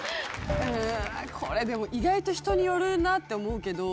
うんこれでも意外と人によるなって思うけど。